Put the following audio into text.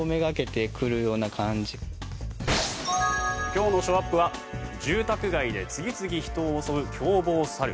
今日のショーアップは住宅街で次々人を襲う凶暴猿。